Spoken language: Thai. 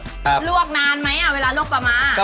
ลวกนานไหมอ่ะเวลาลวกปลาม้า